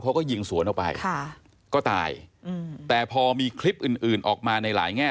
เขาก็ยิงสวนออกไปค่ะก็ตายอืมแต่พอมีคลิปอื่นอื่นออกมาในหลายแง่